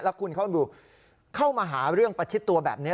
แล้วคุณเขาดูเข้ามาหาเรื่องประชิดตัวแบบนี้